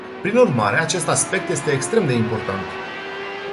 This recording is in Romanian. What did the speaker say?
Prin urmare, acest aspect este extrem de important.